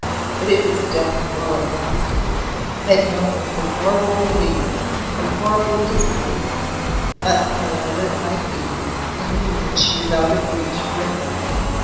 But it was death while it lasted. I had moments of horrible belief, of horrible disbelief, but however it might be I knew that she was out of reach for ever.